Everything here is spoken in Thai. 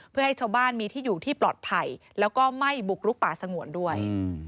เพื่อให้ชาวบ้านมีที่อยู่ที่ปลอดภัยแล้วก็ไม่บุกลุกป่าสงวนด้วย